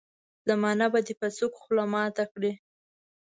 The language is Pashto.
زمانه به دي په سوک خوله ماته کړي.